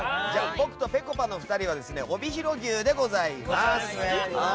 僕とぺこぱの２人は帯広牛でございます。